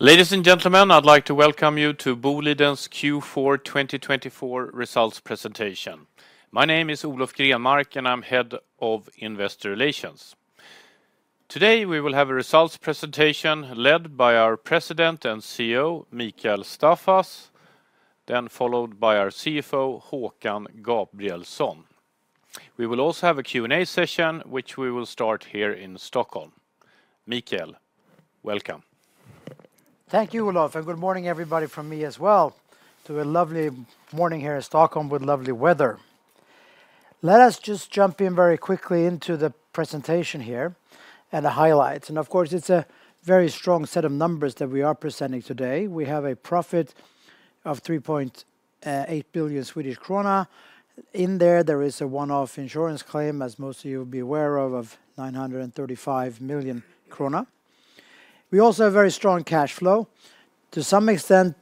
Ladies and gentlemen, I'd like to welcome you to Boliden's Q4 2024 Results Presentation. My name is Olof Grenmark, and I'm head of Investor Relations. Today we will have a results presentation led by our President and CEO, Mikael Staffas, then followed by our CFO, Håkan Gabrielsson. We will also have a Q&A session, which we will start here in Stockholm. Mikael, welcome. Thank you, Olof. And good morning, everybody, from me as well. To a lovely morning here in Stockholm with lovely weather. Let us just jump in very quickly into the presentation here and the highlights. And of course, it's a very strong set of numbers that we are presenting today. We have a profit of 3.8 billion Swedish krona. In there, there is a one-off insurance claim, as most of you will be aware of, of 935 million krona. We also have very strong cash flow. To some extent,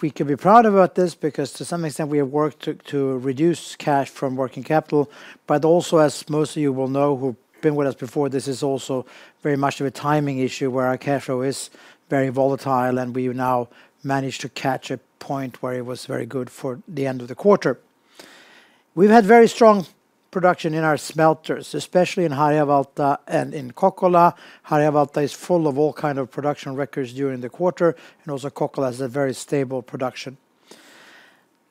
we can be proud about this because, to some extent, we have worked to reduce cash from working capital. But also, as most of you will know, who have been with us before, this is also very much of a timing issue where our cash flow is very volatile, and we now manage to catch a point where it was very good for the end of the quarter. We've had very strong production in our smelters, especially in Harjavalta and in Kokkola. Harjavalta is full of all kinds of production records during the quarter, and also Kokkola has a very stable production.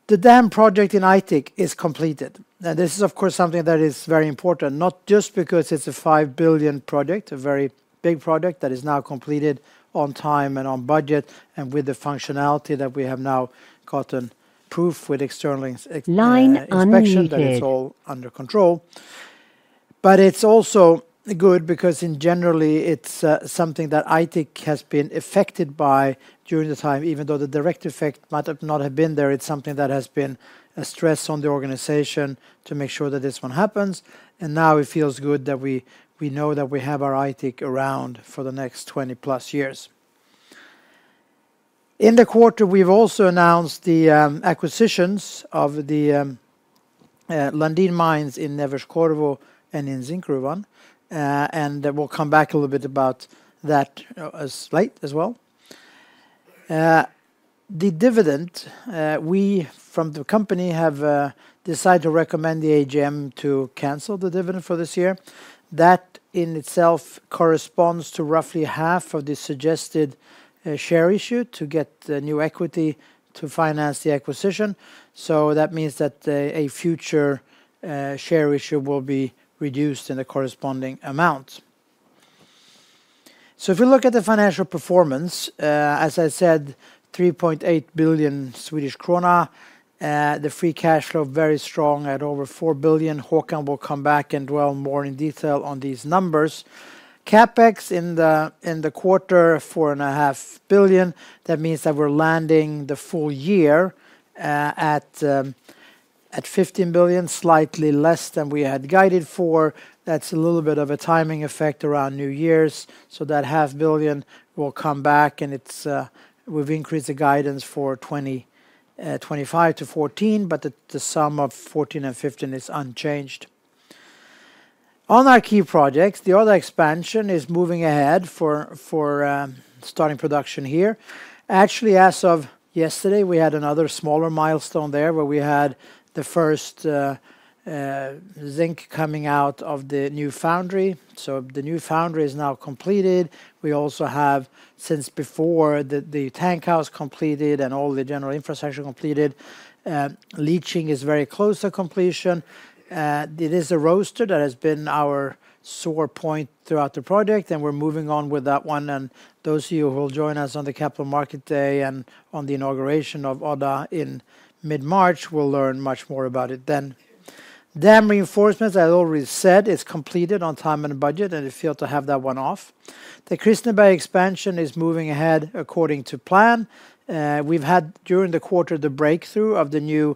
The dam project in Aitik is completed. And this is, of course, something that is very important, not just because it's a 5 billion project, a very big project that is now completed on time and on budget and with the functionality that we have now gotten proof with external inspection that it's all under control. But it's also good because, generally, it's something that Aitik has been affected by during the time, even though the direct effect might not have been there. It's something that has been a stress on the organization to make sure that this one happens. And now it feels good that we know that we have our Aitik around for the next 20 plus years. In the quarter, we've also announced the acquisitions of the Lundin mines in Neves-Corvo and in Zinkgruvan. And we'll come back a little bit about that later as well. The dividend, we, from the company, have decided to recommend the AGM to cancel the dividend for this year. That in itself corresponds to roughly half of the suggested share issue to get new equity to finance the acquisition. So that means that a future share issue will be reduced in the corresponding amount. So if we look at the financial performance, as I said, 3.8 billion Swedish krona, the free cash flow very strong at over 4 billion. Håkan will come back and dwell more in detail on these numbers. CapEx in the quarter, 4.5 billion. That means that we're landing the full year at 15 billion, slightly less than we had guided for. That's a little bit of a timing effect around New Year's. So that half billion will come back, and we've increased the guidance for 2025 to 14 billion, but the sum of 14 and 15 is unchanged. On our key projects, the Odda expansion is moving ahead for starting production here. Actually, as of yesterday, we had another smaller milestone there where we had the first zinc coming out of the new foundry. So the new foundry is now completed. We also have, since before, the tankhouse completed and all the general infrastructure completed. Leaching is very close to completion. It is a roaster that has been our sore point throughout the project, and we're moving on with that one. And those of you who will join us on the Capital Markets Day and on the inauguration of Odda in mid-March will learn much more about it then. Dam reinforcements, I already said, is completed on time and budget, and it's great to have that one off. The Kristineberg expansion is moving ahead according to plan. We've had, during the quarter, the breakthrough of the new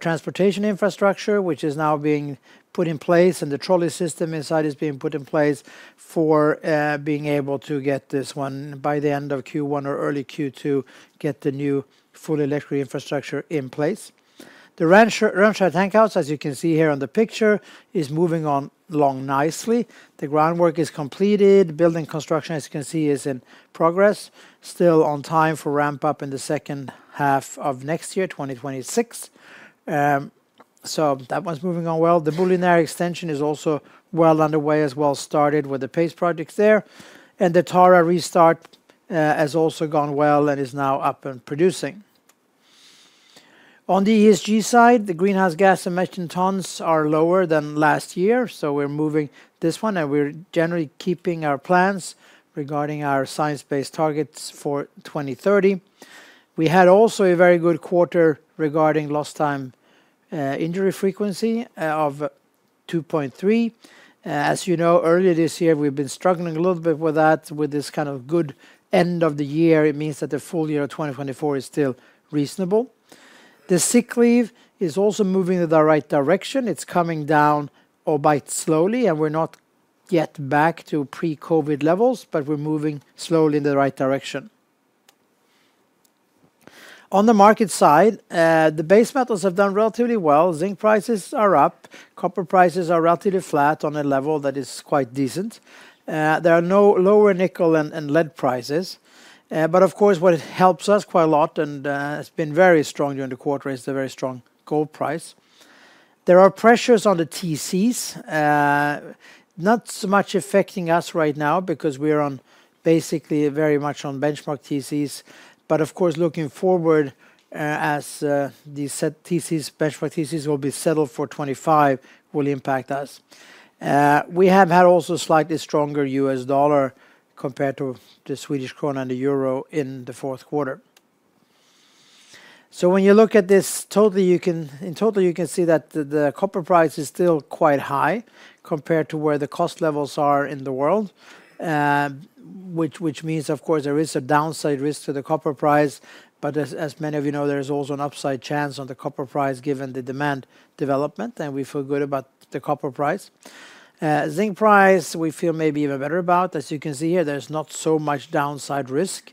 transportation infrastructure, which is now being put in place, and the trolley system inside is being put in place for being able to get this one by the end of Q1 or early Q2, get the new full electric infrastructure in place. The Rönnskär's tankhouse, as you can see here on the picture, is moving along nicely. The groundwork is completed. Building construction, as you can see, is in progress. Still on time for ramp-up in the second half of next year, 2026. So that one's moving on well. The Boliden Area extension is also well underway as well, started with the paste projects there. And the Tara restart has also gone well and is now up and producing. On the ESG side, the greenhouse gas emissions tons are lower than last year. So we're moving this one, and we're generally keeping our plans regarding our science-based targets for 2030. We had also a very good quarter regarding lost time injury frequency of 2.3. As you know, earlier this year, we've been struggling a little bit with that. With this kind of good end of the year, it means that the full year of 2024 is still reasonable. The sick leave is also moving in the right direction. It's coming down quite slowly, and we're not yet back to pre-COVID levels, but we're moving slowly in the right direction. On the market side, the base metals have done relatively well. Zinc prices are up. Copper prices are relatively flat on a level that is quite decent. There are lower nickel and lead prices. But of course, what helps us quite a lot, and it's been very strong during the quarter, is the very strong gold price. There are pressures on the TCs, not so much affecting us right now because we're basically very much on benchmark TCs. But of course, looking forward, as these TCs, benchmark TCs, will be settled for 2025, will impact us. We have had also slightly stronger U.S. dollar compared to the Swedish krona and the euro in the fourth quarter. So when you look at this totally, you can see that the copper price is still quite high compared to where the cost levels are in the world, which means, of course, there is a downside risk to the copper price. But as many of you know, there is also an upside chance on the copper price given the demand development, and we feel good about the copper price. Zinc price, we feel maybe even better about. As you can see here, there's not so much downside risk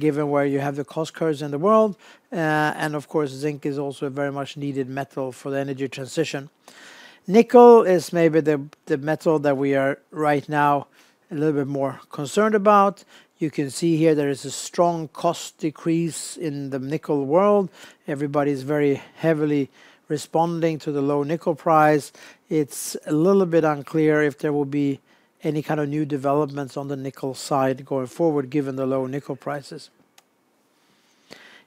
given where you have the cost curves in the world. And of course, zinc is also a very much needed metal for the energy transition. Nickel is maybe the metal that we are right now a little bit more concerned about. You can see here there is a strong cost decrease in the nickel world. Everybody's very heavily responding to the low nickel price. It's a little bit unclear if there will be any kind of new developments on the nickel side going forward given the low nickel prices.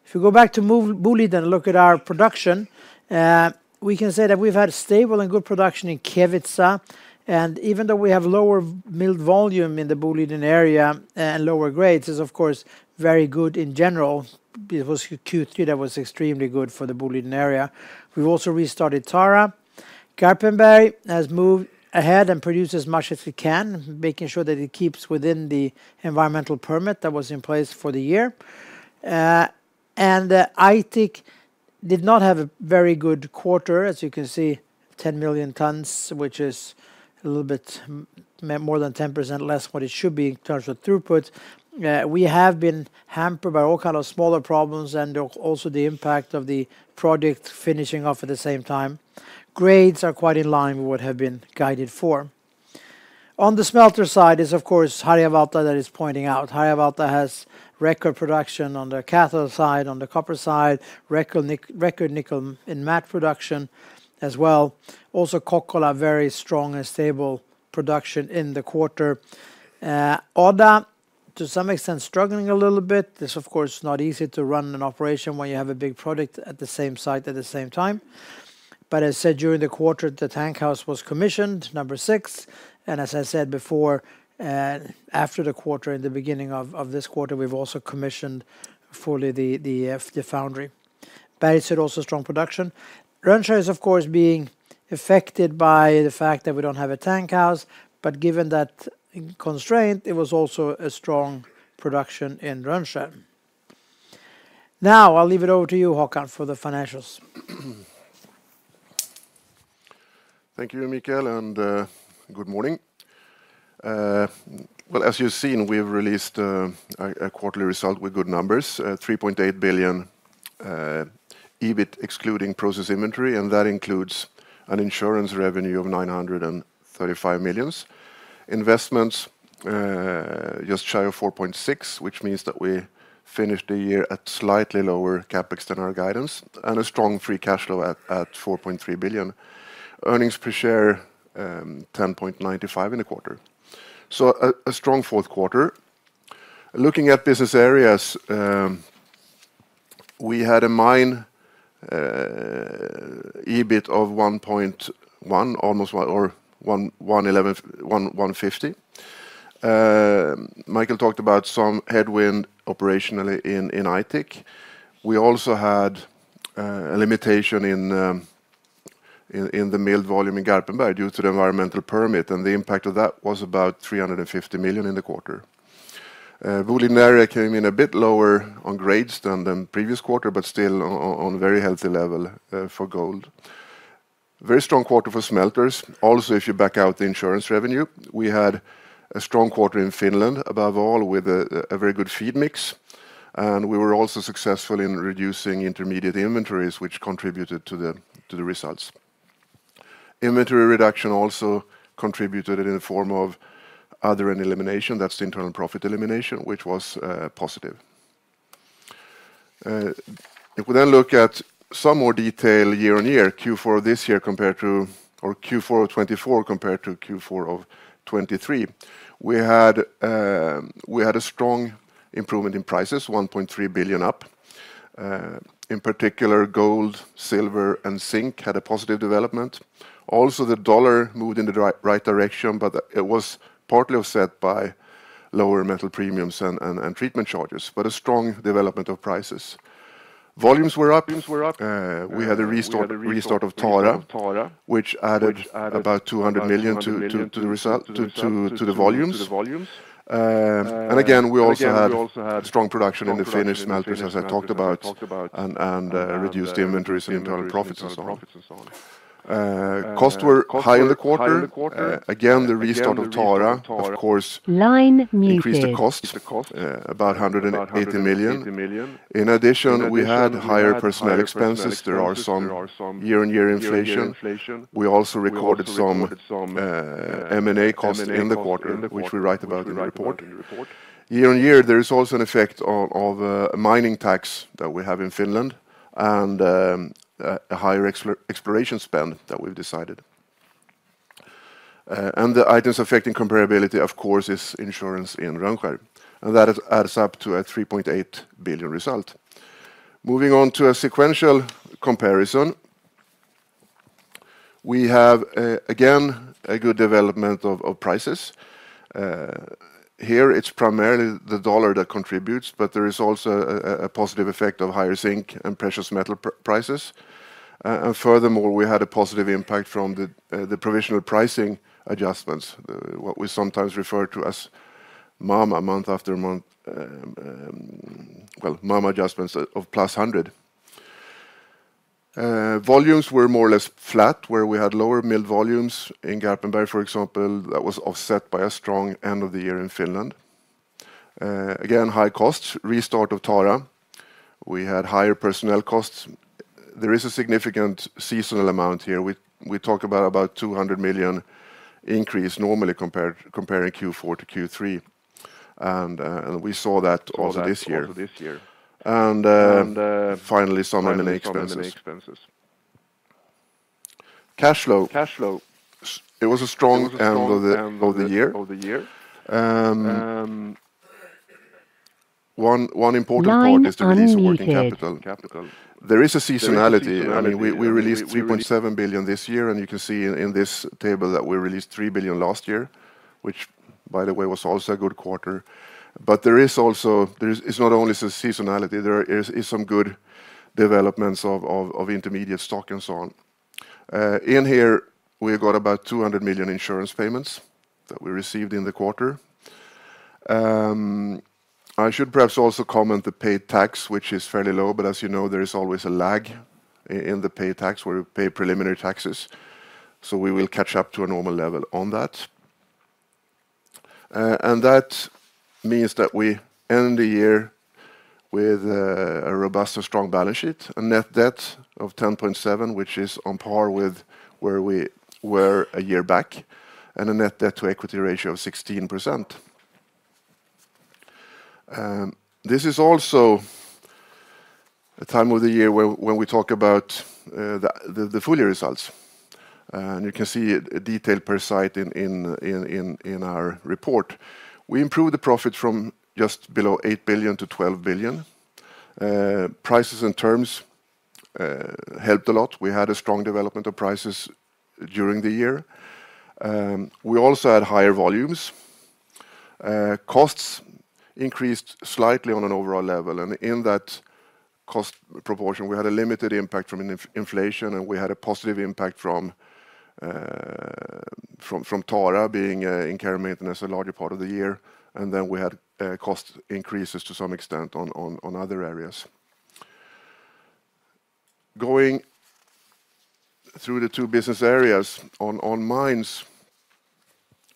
If we go back to Boliden and look at our production, we can say that we've had stable and good production in Kevitsa. And even though we have lower milled volume in the Boliden Area and lower grades, it's of course very good in general. It was Q3 that was extremely good for the Boliden Area. We've also restarted Tara. Garpenberg has moved ahead and produced as much as we can, making sure that it keeps within the environmental permit that was in place for the year. And Aitik did not have a very good quarter, as you can see, 10 million tons, which is a little bit more than 10% less than what it should be in terms of throughput. We have been hampered by all kinds of smaller problems and also the impact of the project finishing off at the same time. Grades are quite in line with what have been guided for. On the smelter side is, of course, Harjavalta that is pointing out. Harjavalta has record production on the cathode side, on the copper side, record nickel and matte production as well. Also Kokkola, very strong and stable production in the quarter. Odda, to some extent, struggling a little bit. This is, of course, not easy to run an operation when you have a big project at the same site at the same time. But as I said, during the quarter, the tankhouse was commissioned, number six. And as I said before, after the quarter, in the beginning of this quarter, we've also commissioned fully the foundry. Bergsöe had also strong production. Rönnskär is, of course, being affected by the fact that we don't have a tankhouse. But given that constraint, it was also a strong production in Rönnskär. Now I'll leave it over to you, Håkan, for the financials. Thank you, Mikael, and good morning. As you've seen, we've released a quarterly result with good numbers, 3.8 billion EBITDA excluding process inventory. That includes an insurance revenue of 935 million investments, just shy of 4.6 billion, which means that we finished the year at slightly lower CapEx than our guidance and a strong free cash flow at 4.3 billion. Earnings per share, 10.95 in the quarter. A strong fourth quarter. Looking at business areas, we had a mine EBITDA of SEK 1.1 billion, almost 1150. Mikael talked about some headwind operationally in Aitik. We also had a limitation in the milled volume in Garpenberg due to the environmental permit, and the impact of that was about 350 million in the quarter. Boliden Area came in a bit lower on grades than the previous quarter, but still on a very healthy level for gold. Very strong quarter for smelters. Also, if you back out the insurance revenue, we had a strong quarter in Finland, above all with a very good feed mix. And we were also successful in reducing intermediate inventories, which contributed to the results. Inventory reduction also contributed in the form of other and elimination. That's the internal profit elimination, which was positive. If we then look at some more detail year on year, Q4 of this year compared to, or Q4 of 2024 compared to Q4 of 2023, we had a strong improvement in prices, 1.3 billion up. In particular, gold, silver, and zinc had a positive development. Also, the dollar moved in the right direction, but it was partly offset by lower metal premiums and treatment charges, but a strong development of prices. Volumes were up. We had a restart of Tara, which added about 200 million to the volumes. Again, we also had strong production in the Finnish smelters, as I talked about, and reduced inventories and internal profits and so on. Costs were high in the quarter. Again, the restart of Tara, of course, increased the cost 180 million. In addition, we had higher personnel expenses. There are some year-on-year inflation. We also recorded some M&A cost in the quarter, which we write about in the report. Year on year, there is also an effect of a mining tax that we have in Finland and a higher exploration spend that we've decided. And the items affecting comparability, of course, is insurance in Rönnskär. And that adds up to a 3.8 billion result. Moving on to a sequential comparison, we have again a good development of prices. Here, it's primarily the dollar that contributes, but there is also a positive effect of higher zinc and precious metal prices. Furthermore, we had a positive impact from the provisional pricing adjustments, what we sometimes refer to as MAM month after month, well, MAM adjustments of plus 100. Volumes were more or less flat, where we had lower milled volumes in Garpenberg, for example. That was offset by a strong end of the year in Finland. Again, high costs, restart of Tara. We had higher personnel costs. There is a significant seasonal amount here. We talk about 200 million increase normally comparing Q4 to Q3. We saw that also this year. Finally, some M&A expenses. Cash flow. It was a strong end of the year. One important part is the release of working capital. There is a seasonality. I mean, we released 3.7 billion this year, and you can see in this table that we released 3 billion last year, which, by the way, was also a good quarter, but there is also, it's not only seasonality. There is some good developments of intermediate stock and so on. In here, we've got about 200 million insurance payments that we received in the quarter. I should perhaps also comment the paid tax, which is fairly low, but as you know, there is always a lag in the paid tax where we pay preliminary taxes, so we will catch up to a normal level on that, and that means that we end the year with a robust and strong balance sheet, a net debt of 10.7 billion, which is on par with where we were a year back, and a net debt to equity ratio of 16%. This is also a time of the year when we talk about the full year results, and you can see detail per site in our report. We improved the profit from just below 8 billion to 12 billion. Prices and terms helped a lot. We had a strong development of prices during the year. We also had higher volumes. Costs increased slightly on an overall level, and in that cost proportion, we had a limited impact from inflation, and we had a positive impact from Tara being in care and maintenance a larger part of the year, and then we had cost increases to some extent on other areas. Going through the two business areas on mines,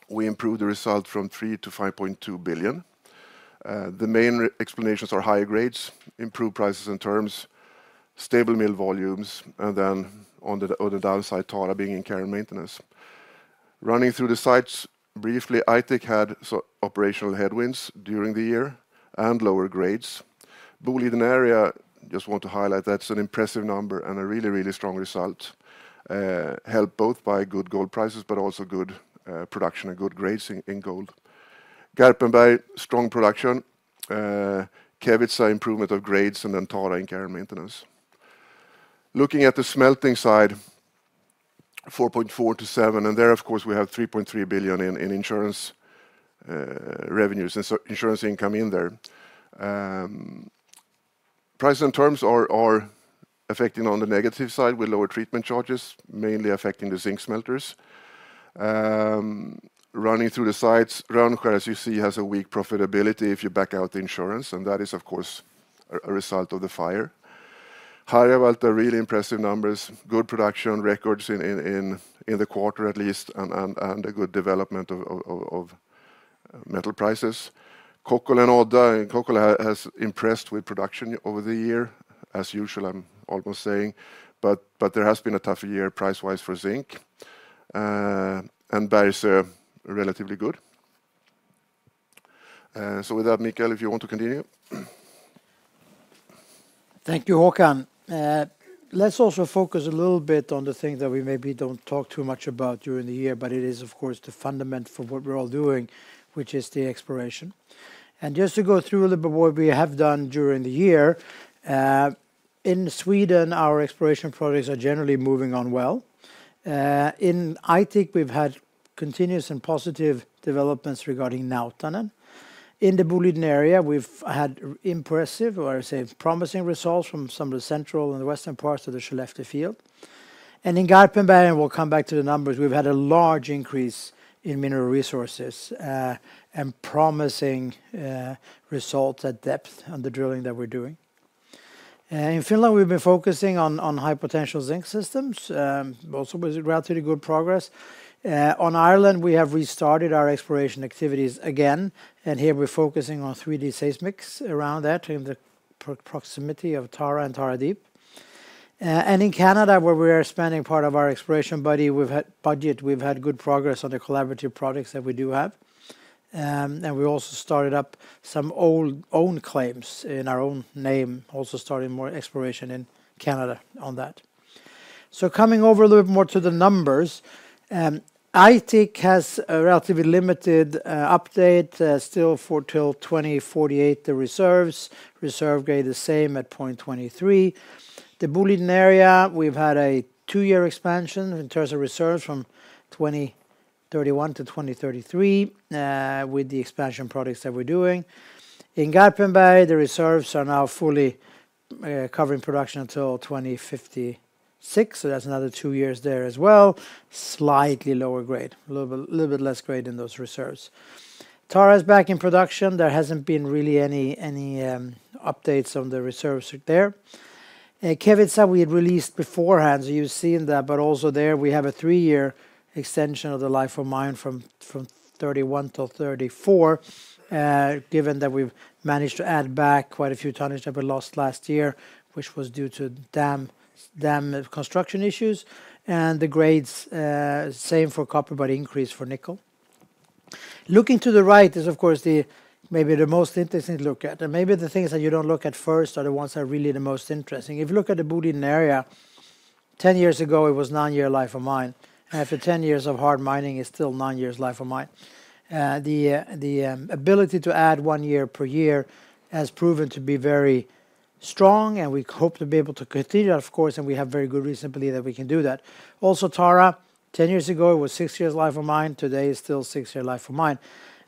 we improved the result from 3 billion to 5.2 billion. The main explanations are higher grades, improved prices and terms, stable mill volumes, and then on the downside, Tara being in care and maintenance. Running through the sites briefly, Aitik had operational headwinds during the year and lower grades. Boliden Area, just want to highlight that's an impressive number and a really, really strong result, helped both by good gold prices, but also good production and good grades in gold. Garpenberg, strong production, Kevitsa, improvement of grades, and then Tara in care and maintenance. Looking at the smelting side, 4.4 billion-7 billion, and there, of course, we have 3.3 billion in insurance revenues and insurance income in there. Prices and terms are affecting on the negative side with lower treatment charges, mainly affecting the zinc smelters. Running through the sites, Rönnskär, as you see, has a weak profitability if you back out the insurance, and that is, of course, a result of the fire. Harjavalta, really impressive numbers, good production records in the quarter at least, and a good development of metal prices. Kokkola and Odda, Kokkola has impressed with production over the year, as usual. I'm almost saying, but there has been a tough year price-wise for zinc, and Bergsöe, relatively good. So with that, Mikael, if you want to continue. Thank you, Håkan. Let's also focus a little bit on the thing that we maybe don't talk too much about during the year, but it is, of course, the fundament for what we're all doing, which is the exploration. And just to go through a little bit what we have done during the year, in Sweden, our exploration projects are generally moving on well. In Aitik, we've had continuous and positive developments regarding Nautanen. In the Boliden area, we've had impressive, or I would say promising results from some of the central and the western parts of the Skellefteå field. And in Garpenberg, and we'll come back to the numbers, we've had a large increase in mineral resources and promising results at depth on the drilling that we're doing. In Finland, we've been focusing on high potential zinc systems, also with relatively good progress. On Ireland, we have restarted our exploration activities again, and here we're focusing on 3D seismics around that in the proximity of Tara and Tara Deep. In Canada, where we are spending part of our exploration budget, we've had good progress on the collaborative projects that we do have. We also started up some own claims in our own name, also starting more exploration in Canada on that. Coming over a little bit more to the numbers, Aitik has a relatively limited update still for till 2048; the reserves, reserve grade the same at 2023. The Boliden Area, we've had a two-year expansion in terms of reserves from 2031 to 2033 with the expansion projects that we're doing. In Garpenberg, the reserves are now fully covering production until 2056, so that's another two years there as well, slightly lower grade, a little bit less grade in those reserves. Tara is back in production. There hasn't been really any updates on the reserves there. Kevitsa, we had released beforehand, so you've seen that, but also there we have a three-year extension of the life of mine from 31 to 34, given that we've managed to add back quite a few tonnage that were lost last year, which was due to dam construction issues, and the grades, same for copper, but increased for nickel. Looking to the right is, of course, maybe the most interesting to look at, and maybe the things that you don't look at first are the ones that are really the most interesting. If you look at the Boliden Area, 10 years ago, it was nine-year life of mine. After 10 years of hard mining, it's still nine years life of mine. The ability to add one year per year has proven to be very strong, and we hope to be able to continue that, of course, and we have very good reason to believe that we can do that. Also, Tara, 10 years ago, it was six years life of mine. Today is still six years life of mine.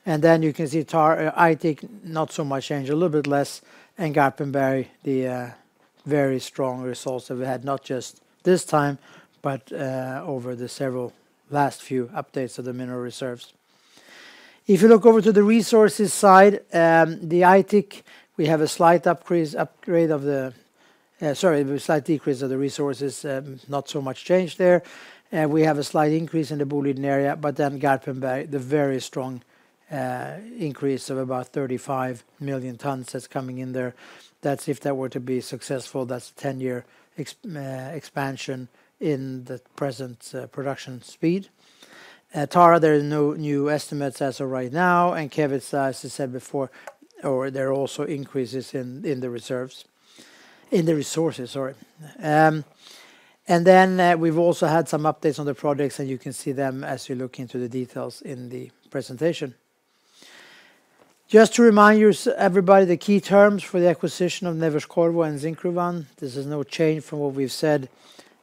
Then you can see Aitik, not so much change, a little bit less, and Garpenberg, the very strong results that we had, not just this time, but over the several last few updates of the mineral reserves. If you look over to the resources side, the Aitik, we have a slight upgrade of the, sorry, a slight decrease of the resources, not so much change there. And we have a slight increase in the Boliden area, but then Garpenberg, the very strong increase of about 35 million tons that's coming in there. That's if that were to be successful, that's a 10-year expansion in the present production speed. Tara, there are no new estimates as of right now, and Kevitsa, as I said before, or there are also increases in the resources. And then we've also had some updates on the projects, and you can see them as you look into the details in the presentation. Just to remind you, everybody, the key terms for the acquisition of Neves-Corvo and Zinkgruvan, this is no change from what we've said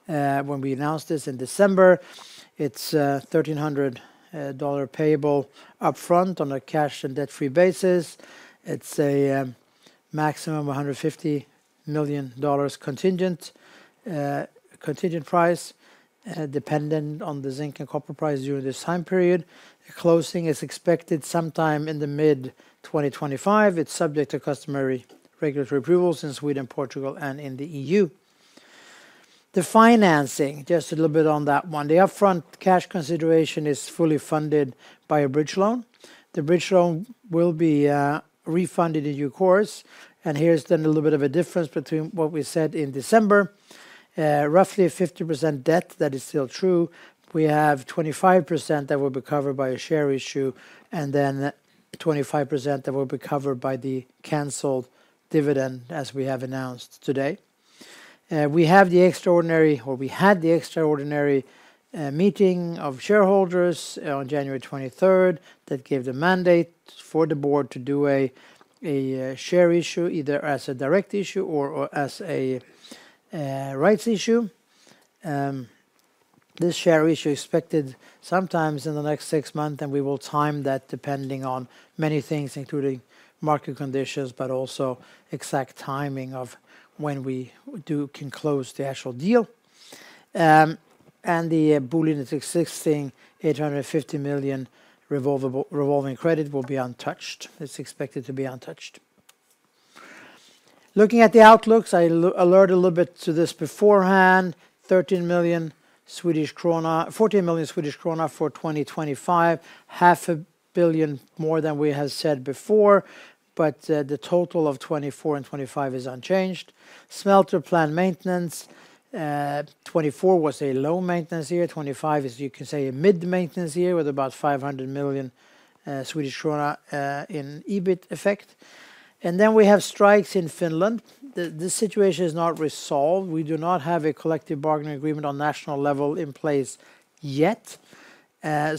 when we announced this in December. It's $1,300, payable upfront on a cash and debt-free basis. It's a maximum of $150 million contingent price, dependent on the zinc and copper price during this time period. Closing is expected sometime in the mid-2025. It's subject to customary regulatory approvals in Sweden, Portugal, and in the EU. The financing, just a little bit on that one. The upfront cash consideration is fully funded by a bridge loan. The bridge loan will be refunded in due course, and here's then a little bit of a difference between what we said in December, roughly 50% debt that is still true. We have 25% that will be covered by a share issue, and then 25% that will be covered by the canceled dividend as we have announced today. We have the extraordinary, or we had the extraordinary meeting of shareholders on January 23rd that gave the mandate for the board to do a share issue, either as a direct issue or as a rights issue. This share issue is expected sometime in the next six months, and we will time that depending on many things, including market conditions, but also exact timing of when we can close the actual deal, and the Boliden existing 850 million revolving credit will be untouched. It's expected to be untouched. Looking at the outlooks, I alerted a little bit to this beforehand, 13 million Swedish krona, 14 million Swedish krona for 2025, 500 million more than we had said before, but the total of 2024 and 2025 is unchanged. Smelter plant maintenance. 2024 was a low maintenance year. 2025 is, you can say, a mid-maintenance year with about 500 million Swedish krona in EBITDA effect. And then we have strikes in Finland. The situation is not resolved. We do not have a collective bargaining agreement on national level in place yet. But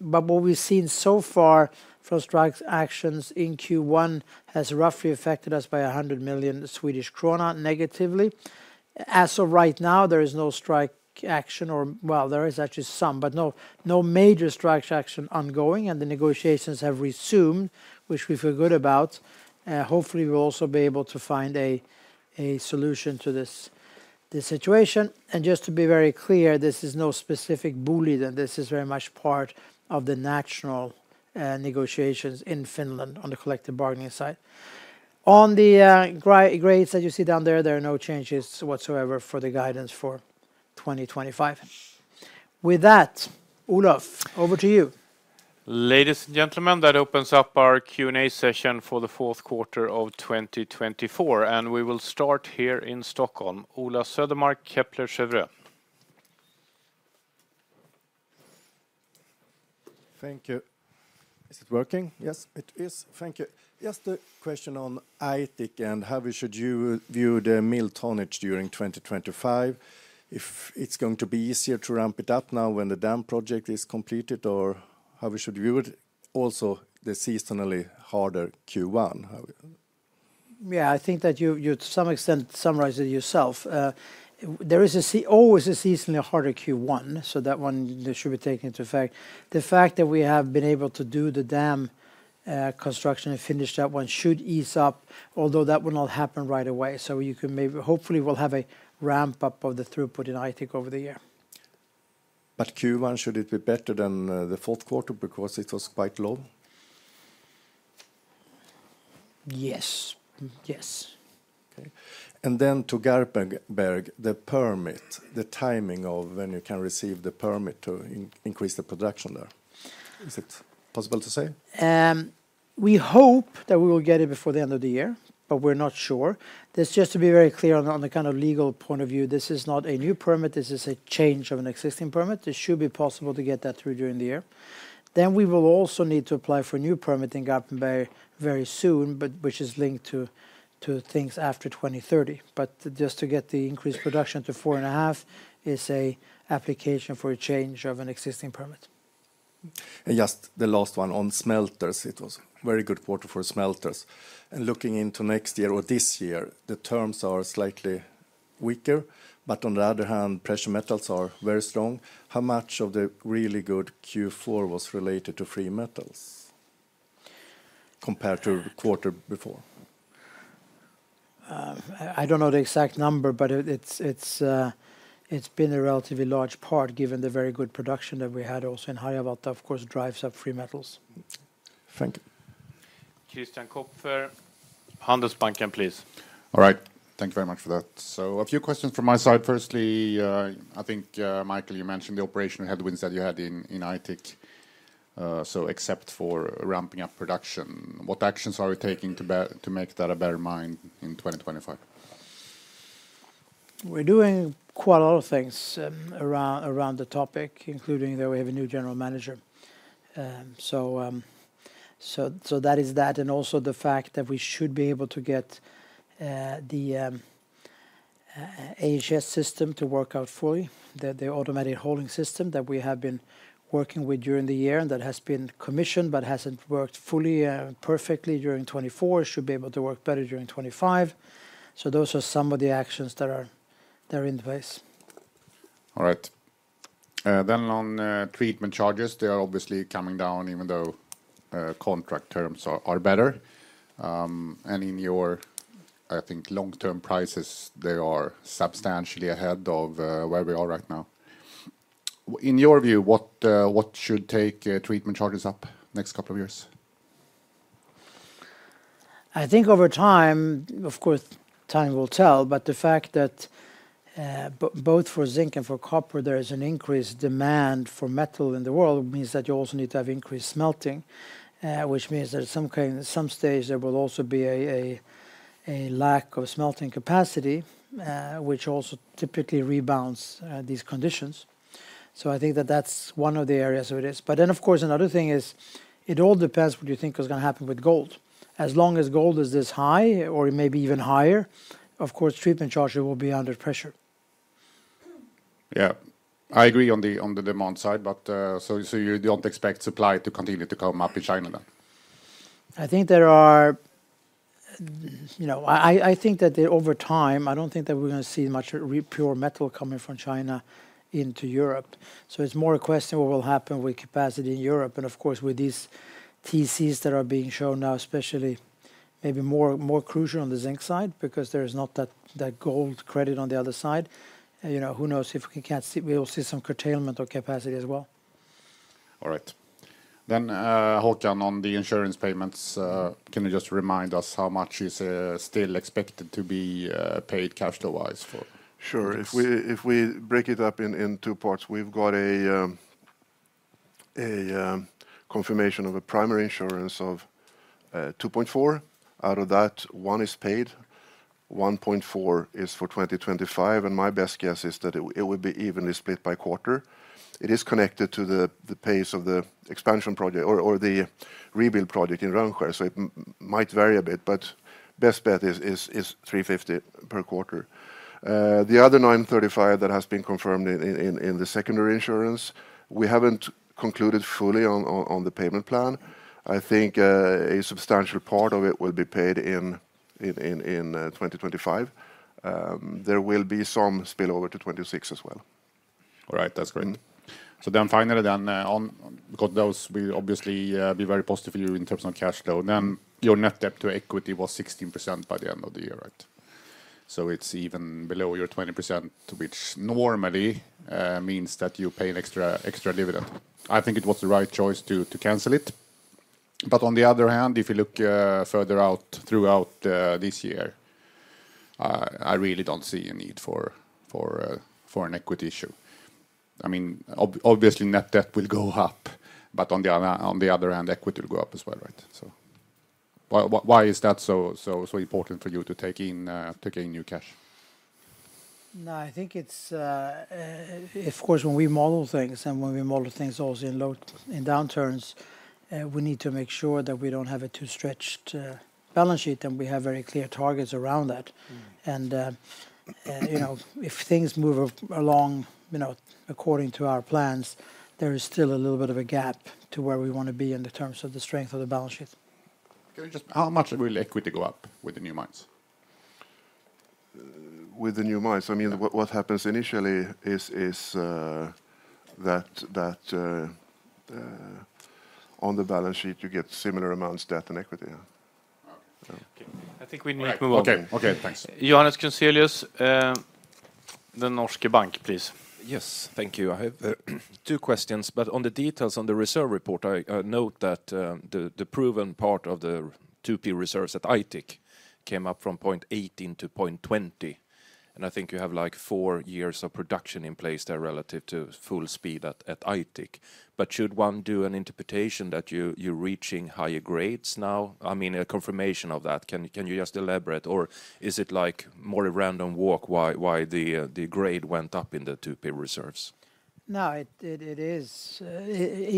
what we've seen so far from strike actions in Q1 has roughly affected us by 100 million Swedish krona negatively. As of right now, there is no strike action, or well, there is actually some, but no major strike action ongoing, and the negotiations have resumed, which we feel good about. Hopefully, we'll also be able to find a solution to this situation. And just to be very clear, this is no specific Boliden. This is very much part of the national negotiations in Finland on the collective bargaining side. On the grades that you see down there, there are no changes whatsoever for the guidance for 2025. With that, Olof, over to you. Ladies and gentlemen, that opens up our Q&A session for the fourth quarter of 2024, and we will start here in Stockholm. Ola Södermark, Kepler Cheuvreux. Thank you. Is it working? Yes, it is. Thank you. Just a question on Aitik and how we should view the mill tonnage during 2025. If it's going to be easier to ramp it up now when the dam project is completed, or how we should view it, also the seasonally harder Q1? Yeah, I think that you to some extent summarized it yourself. There is always a seasonally harder Q1, so that one should be taken into account. The fact that we have been able to do the dam construction and finish that one should ease up, although that will not happen right away. So you can maybe, hopefully, we'll have a ramp up of the throughput in Aitik over the year. But Q1, should it be better than the fourth quarter because it was quite low? Yes. Yes. Okay. And then to Garpenberg, the permit, the timing of when you can receive the permit to increase the production there? Is it possible to say? We hope that we will get it before the end of the year, but we're not sure. Just to be very clear on the kind of legal point of view, this is not a new permit. This is a change of an existing permit. It should be possible to get that through during the year. Then we will also need to apply for a new permit in Garpenberg very soon, which is linked to things after 2030. But just to get the increased production to four and a half is an application for a change of an existing permit. Just the last one on smelters. It was a very good quarter for smelters. Looking into next year or this year, the terms are slightly weaker, but on the other hand, precious metals are very strong. How much of the really good Q4 was related to precious metals compared to the quarter before? I don't know the exact number, but it's been a relatively large part given the very good production that we had also in Harjavalta, of course, drives up free metals. Thank you. Christian Kopfer. Handelsbanken, please. All right. Thank you very much for that. So a few questions from my side. Firstly, I think, Mikael, you mentioned the operational headwinds that you had in Aitik, so except for ramping up production. What actions are we taking to make that a better mine in 2025? We're doing quite a lot of things around the topic, including that we have a new general manager, so that is that, and also the fact that we should be able to get the AHS system to work out fully, the automatic hauling system that we have been working with during the year and that has been commissioned but hasn't worked fully perfectly during 2024, should be able to work better during 2025, so those are some of the actions that are in place. All right. Then on treatment charges, they are obviously coming down even though contract terms are better. And in your, I think, long-term prices, they are substantially ahead of where we are right now. In your view, what should take treatment charges up next couple of years? I think over time, of course, time will tell, but the fact that both for zinc and for copper, there is an increased demand for metal in the world means that you also need to have increased smelting, which means that at some stage there will also be a lack of smelting capacity, which also typically rebounds these conditions. So I think that that's one of the areas of it is. But then, of course, another thing is it all depends what you think is going to happen with gold. As long as gold is this high or maybe even higher, of course, treatment charges will be under pressure. Yeah. I agree on the demand side, but so you don't expect supply to continue to come up in China then? I think there are, you know, I think that over time, I don't think that we're going to see much pure metal coming from China into Europe, so it's more a question of what will happen with capacity in Europe and of course, with these TCs that are being shown now, especially maybe more crucial on the zinc side because there is not that gold credit on the other side. You know, who knows if we can't see, we'll see some curtailment of capacity as well. All right. Then Håkan, on the insurance payments, can you just remind us how much is still expected to be paid cash wise for? Sure. If we break it up in two parts, we've got a confirmation of a primary insurance of 2.4. Out of that, one is paid, 1.4 is for 2025, and my best guess is that it would be evenly split by quarter. It is connected to the pace of the expansion project or the rebuild project in Rönnskär, so it might vary a bit, but best bet is 350 per quarter. The other 935 that has been confirmed in the secondary insurance, we haven't concluded fully on the payment plan. I think a substantial part of it will be paid in 2025. There will be some spillover to 2026 as well. All right. That's great. So then finally, then on those, we obviously be very positive for you in terms of cash flow. Then your net debt to equity was 16% by the end of the year, right? So it's even below your 20%, which normally means that you pay an extra dividend. I think it was the right choice to cancel it. But on the other hand, if you look further out throughout this year, I really don't see a need for an equity issue. I mean, obviously net debt will go up, but on the other hand, equity will go up as well, right? So why is that so important for you to take in new cash? No, I think it's, of course, when we model things also in downturns, we need to make sure that we don't have a too stretched balance sheet and we have very clear targets around that, and if things move along according to our plans, there is still a little bit of a gap to where we want to be in terms of the strength of the balance sheet. Can you just, how much will equity go up with the new mines? With the new mines, I mean, what happens initially is that on the balance sheet, you get similar amounts debt and equity. Okay. I think we need to move on. Okay. Okay. Thanks. Johannes Grunselius, DNB Markets, please. Yes. Thank you. I have two questions, but on the details on the reserve report, I note that the proven part of the 2P reserves at Aitik came up from 0.18 to 0.20. And I think you have like four years of production in place there relative to full speed at Aitik. But should one do an interpretation that you're reaching higher grades now? I mean, a confirmation of that, can you just elaborate? Or is it like more a random walk why the grade went up in the 2P reserves? No, it is.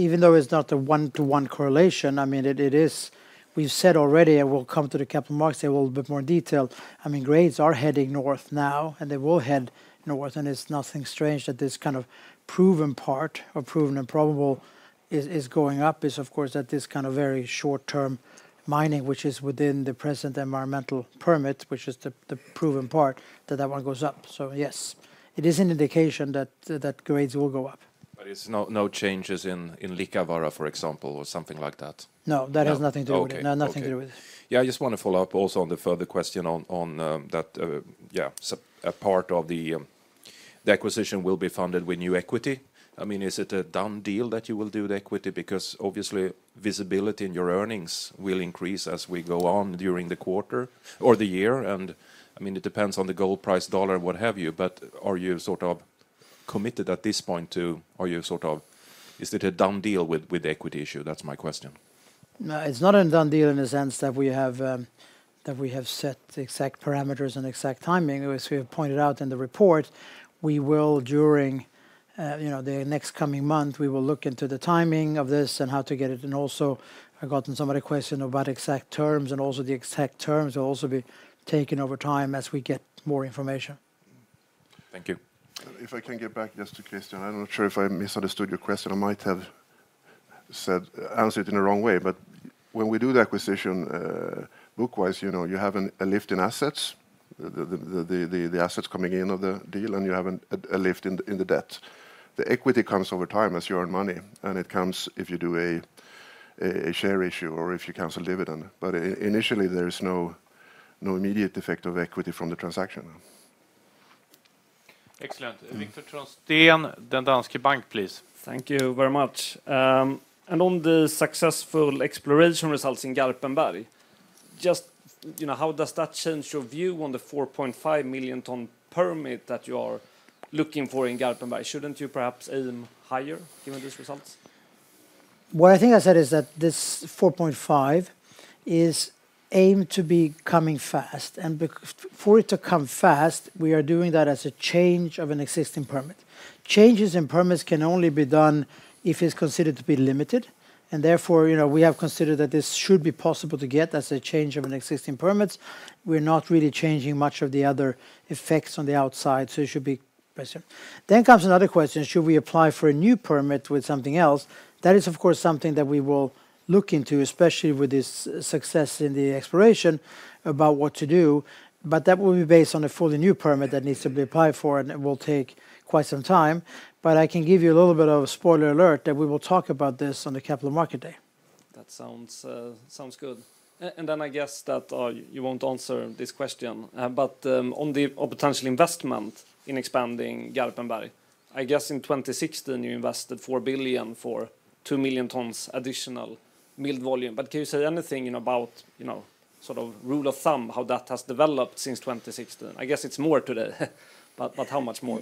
Even though it's not a one-to-one correlation, I mean, it is. We've said already, and we'll come to the Capital Markets in a little bit more detail. I mean, grades are heading north now, and they will head north, and it's nothing strange that this kind of proven part or proven and probable is going up. Is of course that this kind of very short-term mining, which is within the present environmental permit, which is the proven part, that that one goes up. So yes, it is an indication that grades will go up. But it's no changes in Liikavaara, for example, or something like that? No, that has nothing to do with it. Okay. No, nothing to do with it. Yeah, I just want to follow up also on the further question on that. Yeah, a part of the acquisition will be funded with new equity. I mean, is it a done deal that you will do the equity? Because obviously visibility in your earnings will increase as we go on during the quarter or the year. And I mean, it depends on the gold price, dollar, what have you, but are you sort of committed at this point to, are you sort of, is it a done deal with the equity issue? That's my question. No, it's not a done deal in the sense that we have set exact parameters and exact timing. As we have pointed out in the report, we will, during the next coming month, we will look into the timing of this and how to get it. And also I got in some of the questions about exact terms, and also the exact terms will also be taken over time as we get more information. Thank you. If I can get back just to Christian, I'm not sure if I misunderstood your question. I might have answered it in the wrong way, but when we do the acquisition bookwise, you have a lift in assets, the assets coming in of the deal, and you have a lift in the debt. The equity comes over time as you earn money, and it comes if you do a share issue or if you cancel dividend. But initially, there is no immediate effect of equity from the transaction. Excellent. Viktor Trollsten, Danske Bank, please. Thank you very much. And on the successful exploration results in Garpenberg, just how does that change your view on the 4.5 million ton permit that you are looking for in Garpenberg? Shouldn't you perhaps aim higher given these results? What I think I said is that this 4.5 is aimed to be coming fast, and for it to come fast, we are doing that as a change of an existing permit. Changes in permits can only be done if it's considered to be limited, and therefore, we have considered that this should be possible to get as a change of an existing permit. We're not really changing much of the other effects on the outside, so it should be questioned, then comes another question. Should we apply for a new permit with something else? That is, of course, something that we will look into, especially with this success in the exploration about what to do, but that will be based on a fully new permit that needs to be applied for, and it will take quite some time. But I can give you a little bit of a spoiler alert that we will talk about this on the Capital Markets Day. That sounds good. And then I guess that you won't answer this question, but on the potential investment in expanding Garpenberg, I guess in 2016, you invested 4 billion for 2 million tons additional milled volume. But can you say anything about sort of rule of thumb, how that has developed since 2016? I guess it's more today, but how much more?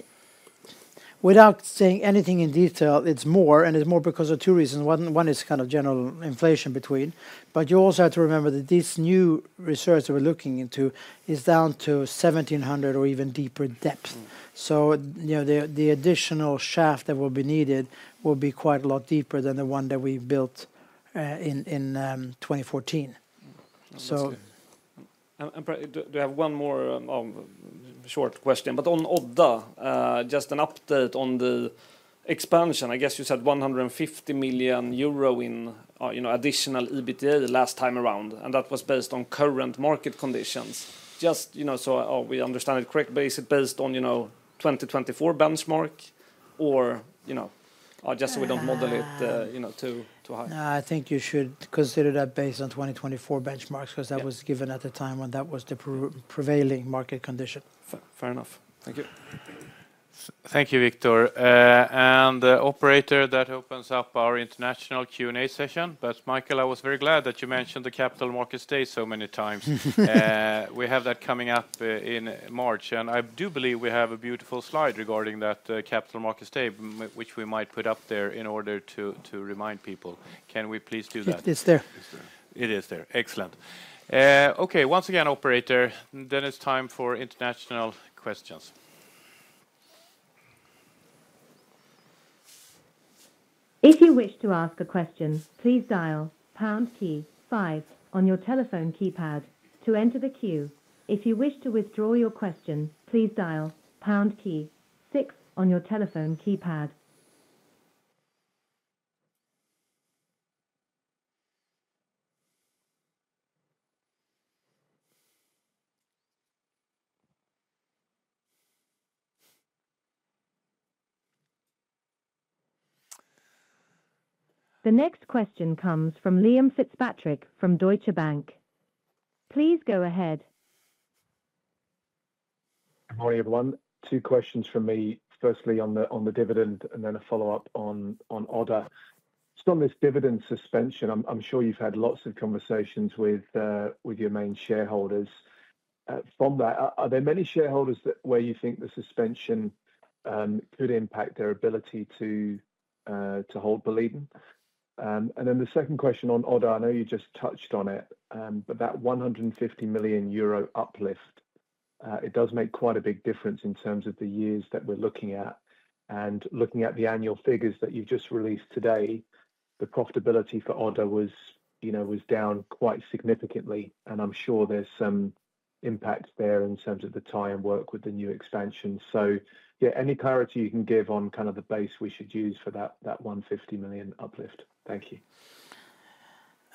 Without saying anything in detail, it's more, and it's more because of two reasons. One is kind of general inflation between. But you also have to remember that this new research that we're looking into is down to 1,700 or even deeper depth. So the additional shaft that will be needed will be quite a lot deeper than the one that we built in 2014. Do you have one more short question? But on Odda, just an update on the expansion. I guess you said 150 million euro in additional EBITDA last time around, and that was based on current market conditions. Just so we understand it correctly, but is it based on 2024 benchmark or just so we don't model it too high? I think you should consider that based on 2024 benchmarks because that was given at the time when that was the prevailing market condition. Fair enough. Thank you. Thank you, Viktor. And the operator that opens up our international Q&A session. But Mikael, I was very glad that you mentioned the Capital Markets Day so many times. We have that coming up in March, and I do believe we have a beautiful slide regarding that Capital Markets Day, which we might put up there in order to remind people. Can we please do that? It's there. It is there. Excellent. Okay. Once again, operator, then it's time for international questions. If you wish to ask a question, please dial pound key five on your telephone keypad to enter the queue. If you wish to withdraw your question, please dial pound key six on your telephone keypad. The next question comes from Liam Fitzpatrick from Deutsche Bank. Please go ahead. Good morning, everyone. Two questions for me. Firstly, on the dividend and then a follow-up on Odda. Just on this dividend suspension, I'm sure you've had lots of conversations with your main shareholders. From that, are there many shareholders where you think the suspension could impact their ability to hold Boliden? And then the second question on Odda, I know you just touched on it, but that 150 million euro uplift, it does make quite a big difference in terms of the years that we're looking at. And looking at the annual figures that you've just released today, the profitability for Odda was down quite significantly, and I'm sure there's some impact there in terms of the tie-in work with the new expansion. So yeah, any clarity you can give on kind of the base we should use for that 150 million uplift? Thank you.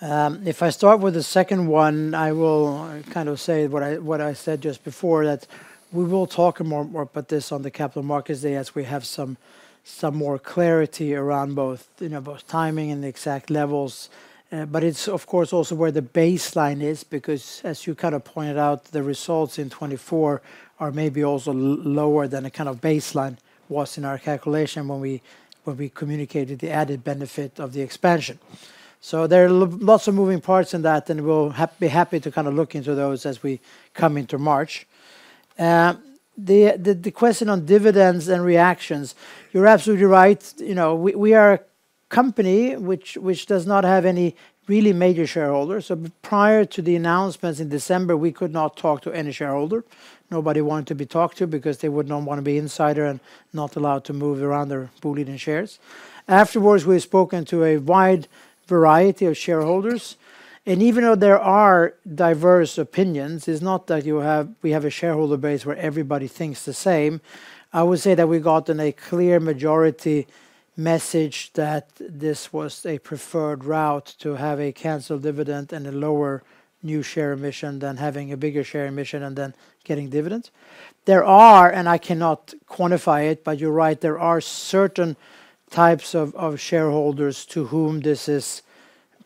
If I start with the second one, I will kind of say what I said just before, that we will talk more about this on the Capital Markets Day as we have some more clarity around both timing and the exact levels. But it's, of course, also where the baseline is because, as you kind of pointed out, the results in 2024 are maybe also lower than the kind of baseline was in our calculation when we communicated the added benefit of the expansion. So there are lots of moving parts in that, and we'll be happy to kind of look into those as we come into March. The question on dividends and reactions, you're absolutely right. We are a company which does not have any really major shareholders. So prior to the announcements in December, we could not talk to any shareholder. Nobody wanted to be talked to because they would not want to be insiders and not allowed to move around their Boliden shares. Afterwards, we've spoken to a wide variety of shareholders, and even though there are diverse opinions, it's not that we have a shareholder base where everybody thinks the same. I would say that we got a clear majority message that this was a preferred route to have a canceled dividend and a lower new rights issue than having a bigger rights issue and then getting dividends. There are, and I cannot quantify it, but you're right, there are certain types of shareholders to whom this is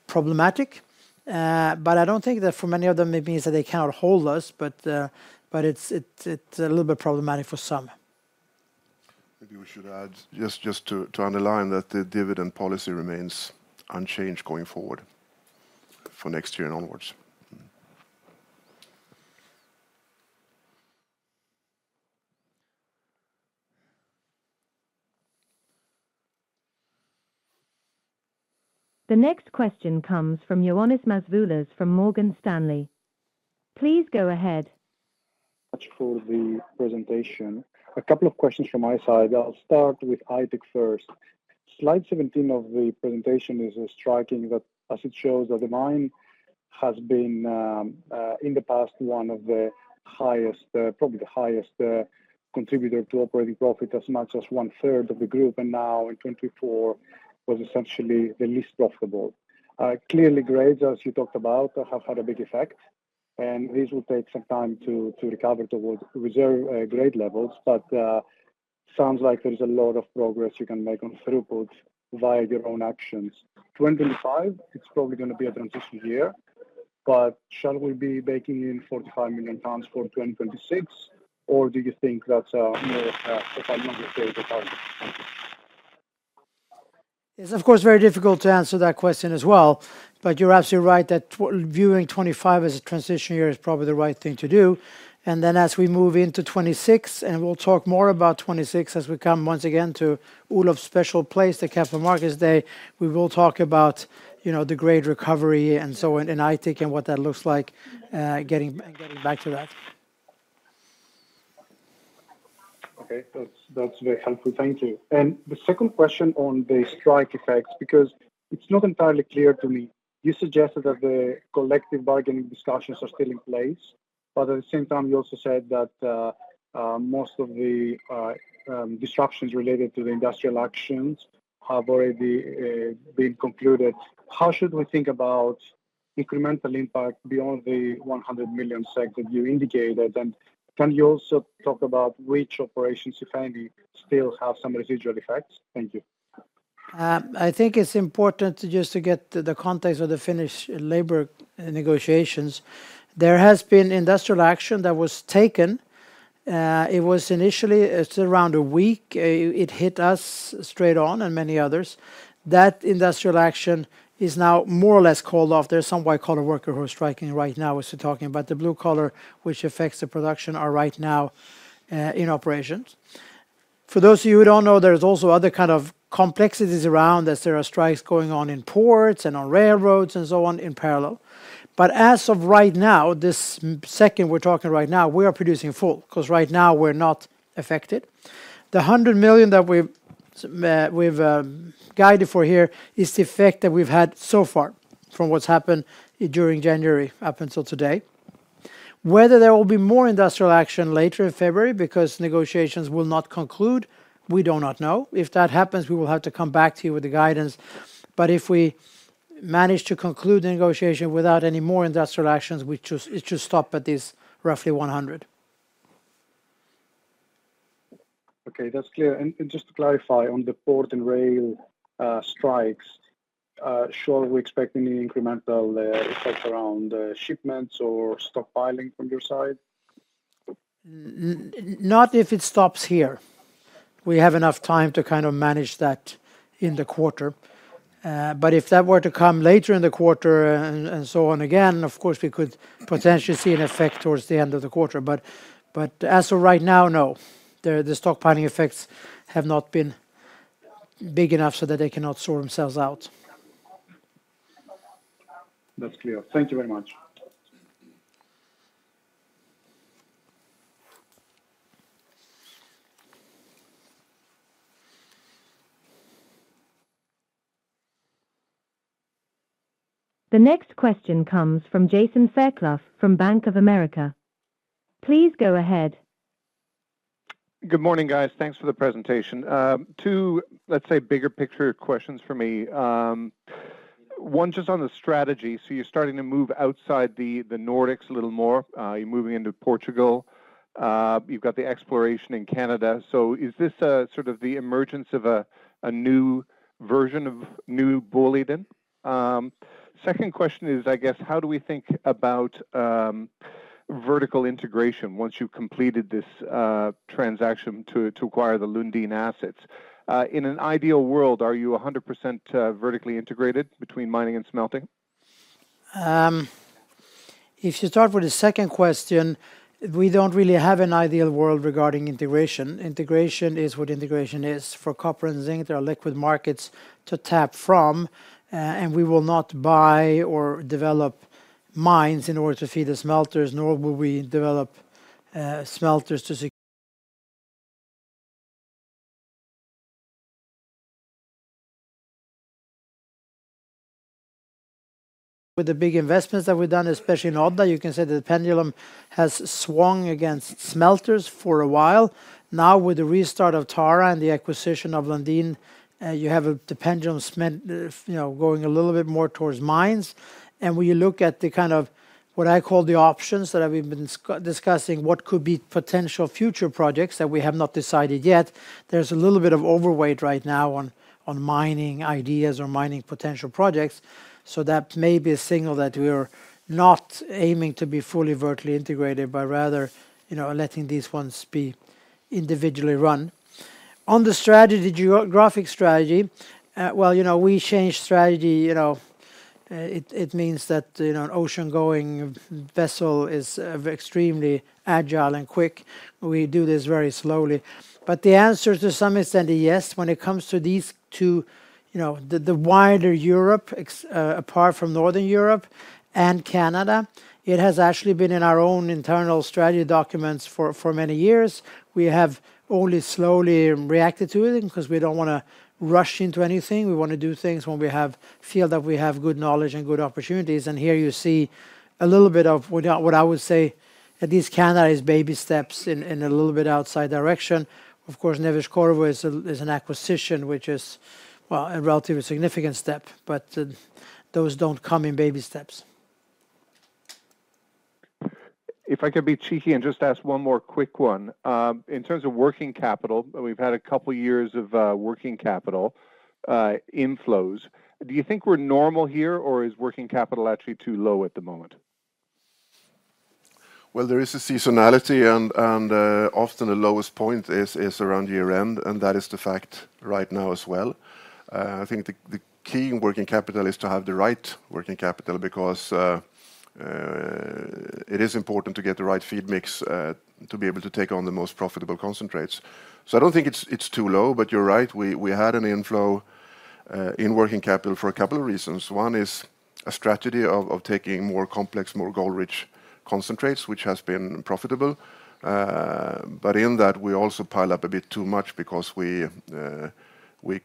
problematic. But I don't think that for many of them it means that they cannot hold us, but it's a little bit problematic for some. Maybe we should add just to underline that the dividend policy remains unchanged going forward for next year and onwards. The next question comes from Ioannis Masvoulas from Morgan Stanley. Please go ahead. Much for the presentation. A couple of questions from my side. I'll start with Aitik first. Slide 17 of the presentation is striking that as it shows, the mine has been in the past one of the highest, probably the highest contributor to operating profit as much as one third of the group, and now in 2024 was essentially the least profitable. Clearly, grades, as you talked about, have had a big effect, and these will take some time to recover towards reserve grade levels, but it sounds like there's a lot of progress you can make on throughput via your own actions. 2025, it's probably going to be a transition year, but shall we be baking in 45 million tons for 2026, or do you think that's a longer-term target? It's of course very difficult to answer that question as well, but you're absolutely right that viewing 2025 as a transition year is probably the right thing to do, and then as we move into 2026, and we'll talk more about 2026 as we come once again to Olof's special place, the Capital Markets Day, we will talk about the grade recovery and so on in Aitik and what that looks like, getting back to that. Okay. That's very helpful. Thank you. And the second question on the strike effects, because it's not entirely clear to me. You suggested that the collective bargaining discussions are still in place, but at the same time, you also said that most of the disruptions related to the industrial actions have already been concluded. How should we think about incremental impact beyond the 100 million you indicated? And can you also talk about which operations, if any, still have some residual effects? Thank you. I think it's important just to get the context of the Finnish labor negotiations. There has been industrial action that was taken. It was initially around a week. It hit us straight on and many others. That industrial action is now more or less called off. There's some white-collar worker who are striking right now as we're talking about the blue collar, which affects the production right now in operations. For those of you who don't know, there's also other kind of complexities around as there are strikes going on in ports and on railroads and so on in parallel. But as of right now, this second we're talking right now, we are producing full because right now we're not affected. The 100 million that we've guided for here is the effect that we've had so far from what's happened during January up until today. Whether there will be more industrial action later in February because negotiations will not conclude, we do not know. If that happens, we will have to come back to you with the guidance. But if we manage to conclude the negotiation without any more industrial actions, it should stop at these roughly 100. Okay. That's clear. And just to clarify on the port and rail strikes, shall we expect any incremental effects around shipments or stockpiling from your side? Not if it stops here. We have enough time to kind of manage that in the quarter. But if that were to come later in the quarter and so on again, of course, we could potentially see an effect towards the end of the quarter. But as of right now, no. The stockpiling effects have not been big enough so that they cannot sort themselves out. That's clear. Thank you very much. The next question comes from Jason Fairclough from Bank of America. Please go ahead. Good morning, guys. Thanks for the presentation. Two, let's say, bigger picture questions for me. One just on the strategy. So you're starting to move outside the Nordics a little more. You're moving into Portugal. You've got the exploration in Canada. So is this sort of the emergence of a new version of new Boliden? Second question is, I guess, how do we think about vertical integration once you've completed this transaction to acquire the Lundin assets? In an ideal world, are you 100% vertically integrated between mining and smelting? If you start with the second question, we don't really have an ideal world regarding integration. Integration is what integration is. For copper and zinc, there are liquid markets to tap from, and we will not buy or develop mines in order to feed the smelters, nor will we develop smelters to. With the big investments that we've done, especially in Odda, you can say the pendulum has swung against smelters for a while. Now, with the restart of Tara and the acquisition of Lundin, you have the pendulum going a little bit more towards mines. And when you look at the kind of what I call the options that we've been discussing, what could be potential future projects that we have not decided yet, there's a little bit of overweight right now on mining ideas or mining potential projects. So that may be a signal that we're not aiming to be fully vertically integrated, but rather letting these ones be individually run. On the strategy, geographic strategy. Well, we changed strategy. It means that an ocean-going vessel is extremely agile and quick. We do this very slowly. But the answer to some extent, yes, when it comes to these two, the wider Europe apart from Northern Europe and Canada, it has actually been in our own internal strategy documents for many years. We have only slowly reacted to it because we don't want to rush into anything. We want to do things when we feel that we have good knowledge and good opportunities. And here you see a little bit of what I would say at least Canada is baby steps in a little bit outside direction. Of course, Neves-Corvo is an acquisition, which is, well, a relatively significant step, but those don't come in baby steps. If I could be cheeky and just ask one more quick one. In terms of working capital, we've had a couple of years of working capital inflows. Do you think we're normal here, or is working capital actually too low at the moment? There is a seasonality, and often the lowest point is around year-end, and that is the fact right now as well. I think the key in working capital is to have the right working capital because it is important to get the right feed mix to be able to take on the most profitable concentrates. So I don't think it's too low, but you're right. We had an inflow in working capital for a couple of reasons. One is a strategy of taking more complex, more gold-rich concentrates, which has been profitable, but in that we also pile up a bit too much because we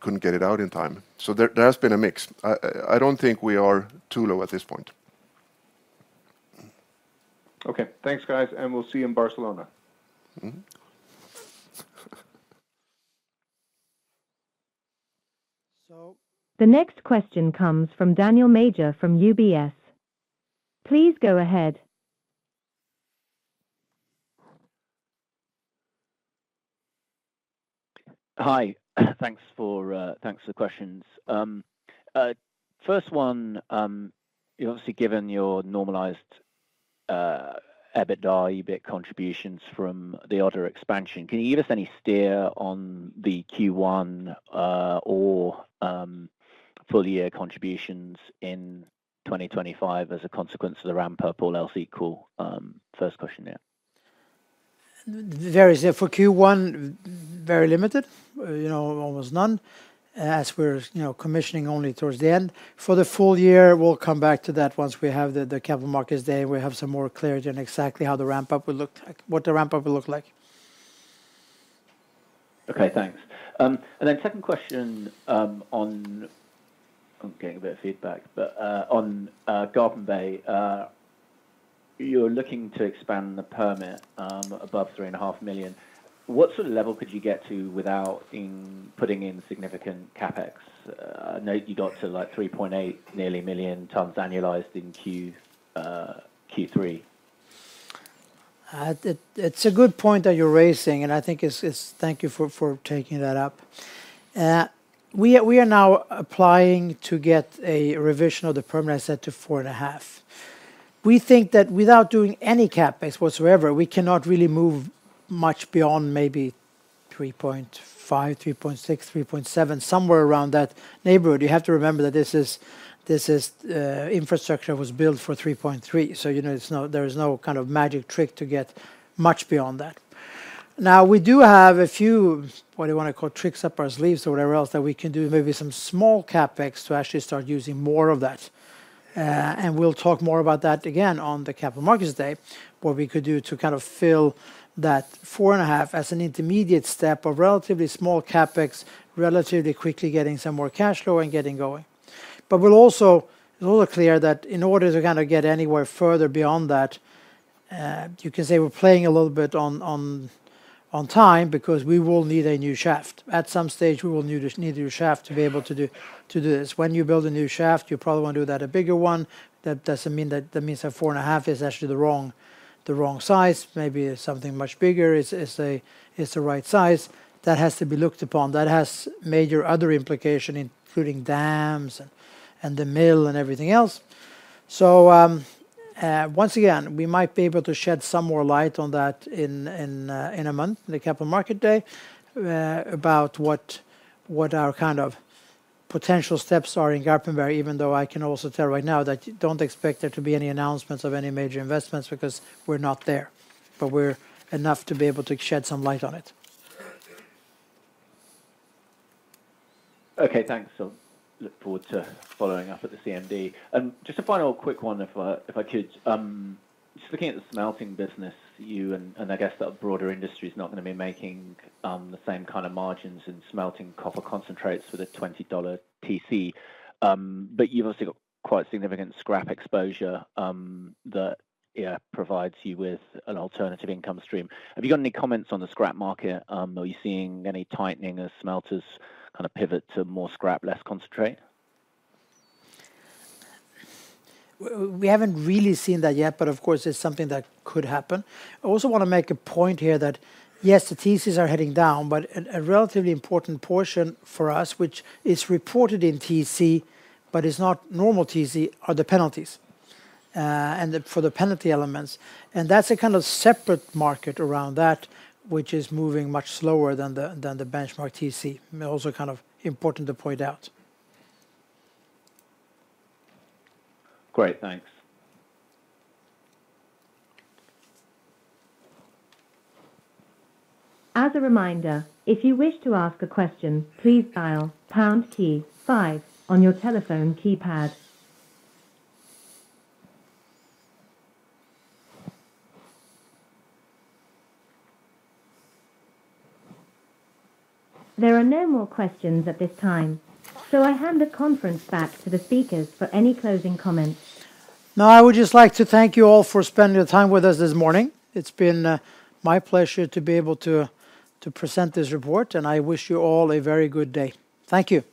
couldn't get it out in time. So there has been a mix. I don't think we are too low at this point. Okay. Thanks, guys, and we'll see you in Barcelona. The next question comes from Daniel Major from UBS. Please go ahead. Hi. Thanks for the questions. First one, you've obviously given your normalized EBITDA, EBITDA contributions from the Odda expansion. Can you give us any steer on the Q1 or full-year contributions in 2025 as a consequence of the ramp-up or else equal? First question there. There is for Q1, very limited, almost none, as we're commissioning only towards the end. For the full year, we'll come back to that once we have the Capital Markets Day and we have some more clarity on exactly how the ramp-up will look like. Okay. Thanks. And then second question on, getting a bit of feedback, but on Garpenberg, you're looking to expand the permit above 3.5 million. What sort of level could you get to without putting in significant CapEx? I know you got to like nearly 3.8 million tons annualized in Q3. It's a good point that you're raising, and I think it's. Thank you for taking that up. We are now applying to get a revision of the permit, I said, to 4.5. We think that without doing any CapEx whatsoever, we cannot really move much beyond maybe 3.5, 3.6, 3.7, somewhere around that neighborhood. You have to remember that this infrastructure was built for 3.3, so there is no kind of magic trick to get much beyond that. Now, we do have a few, what do you want to call, tricks up our sleeves or whatever else that we can do, maybe some small CapEx to actually start using more of that. We'll talk more about that again on the Capital Markets Day, what we could do to kind of fill that 4.5 as an intermediate step of relatively small CapEx, relatively quickly getting some more cash flow and getting going. But we'll also clear that in order to kind of get anywhere further beyond that, you can say we're playing a little bit on time because we will need a new shaft. At some stage, we will need a new shaft to be able to do this. When you build a new shaft, you probably want to do that a bigger one. That doesn't mean that means that 4.5 is actually the wrong size. Maybe something much bigger is the right size. That has to be looked upon. That has major other implications, including dams and the mill and everything else. So once again, we might be able to shed some more light on that in a month, the Capital Markets Day, about what our kind of potential steps are in Garpenberg, even though I can also tell right now that don't expect there to be any announcements of any major investments because we're not there, but we're enough to be able to shed some light on it. Okay. Thanks. Look forward to following up at the CMD. Just a final quick one if I could. Just looking at the smelting business, you and I guess the broader industry is not going to be making the same kind of margins in smelting copper concentrates for the $20 TC, but you've obviously got quite significant scrap exposure that provides you with an alternative income stream. Have you got any comments on the scrap market? Are you seeing any tightening as smelters kind of pivot to more scrap, less concentrate? We haven't really seen that yet, but of course, it's something that could happen. I also want to make a point here that, yes, the TCs are heading down, but a relatively important portion for us, which is reported in TC, but is not normal TC, are the penalties for the penalty elements. And that's a kind of separate market around that, which is moving much slower than the benchmark TC. Also kind of important to point out. Great. Thanks. As a reminder, if you wish to ask a question, please dial pound key five on your telephone keypad. There are no more questions at this time, so I hand the conference back to the speakers for any closing comments. Now, I would just like to thank you all for spending the time with us this morning. It's been my pleasure to be able to present this report, and I wish you all a very good day. Thank you.